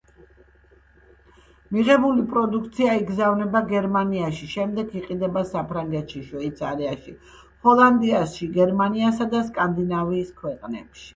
მიღებული პროდუქცია იგზავნება გერმანიაში, შემდეგ იყიდება საფრანგეთში, შვეიცარიაში, ჰოლანდიაში, გერმანიასა და სკანდინავიის ქვეყნებში.